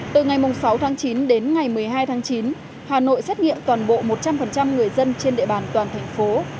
từ ngày sáu tháng chín đến ngày một mươi hai tháng chín hà nội xét nghiệm toàn bộ một trăm linh người dân trên địa bàn toàn thành phố